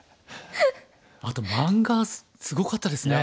あと漫画すごかったですね。